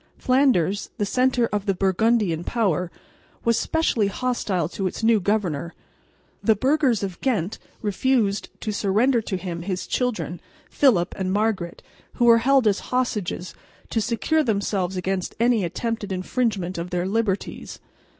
Flanders, the centre of the Burgundian power, was specially hostile to its new governor. The burghers of Ghent refused to surrender to him his children, Philip and Margaret, who were held as hostages to secure themselves against any attempted infringement of their liberties.